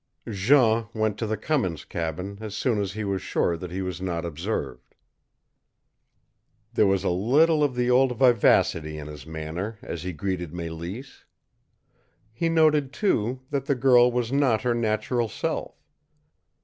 Jean went to the Cummins cabin as soon as he was sure that he was not observed. There was little of the old vivacity in his manner as he greeted Mélisse. He noted, too, that the girl was not her natural self.